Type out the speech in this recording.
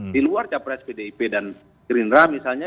diluar capres bdip dan green run misalnya